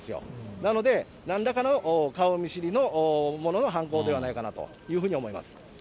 なので、なんらかの顔見知りの者の犯行ではないかなというふうに思います。